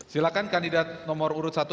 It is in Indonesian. silakan kandidat nomor urut satu